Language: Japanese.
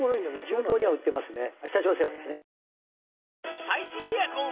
中東には売ってますね。